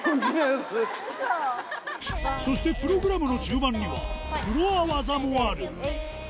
そしてプログラムの中盤には、フロア技もある。